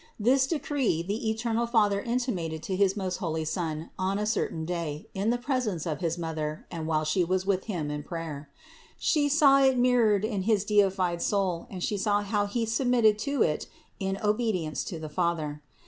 This decree the eternal Father intimated to his most holy Son on a cer tain day in the presence of his holy Mother and while She was with Him in prayer. She saw it mirrored in his deified soul and She saw how He submitted to it in obedience to the Father.